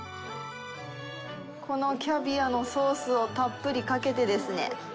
このキャビアのソースをたっぷりかけてですね。